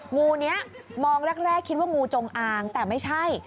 งูนี้มองแรกคิดว่างูจงอางแต่ไม่ใช่